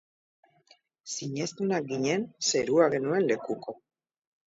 Sinestunak ginen, zerua genuen lekuko.